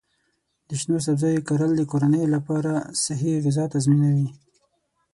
د شنو سبزیو کرل د کورنۍ لپاره صحي غذا تضمینوي.